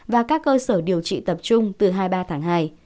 và các cơ sở điều trị tập trung từ hai mươi ba tháng hai